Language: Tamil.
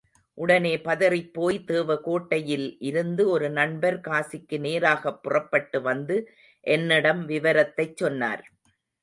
உடனே பதறிப் போய் தேவகோட்டையில் இருந்து ஒரு நண்பர் காசிக்கு நேராகப் புறப்பட்டு வந்து என்னிடம் விவரத்தைச் சொன்னார்.